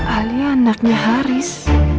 alia anaknya haris